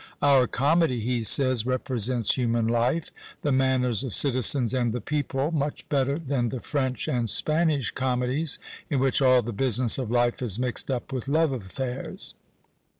Our comedy, he says, represents human life, the manners of citizens and the people, much better than the French and Spanish comedies, in which all the business of life is mixed up with love affairs.